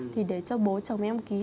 thì để cho bố chồng em ký